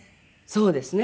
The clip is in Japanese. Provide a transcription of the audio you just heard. そうですね。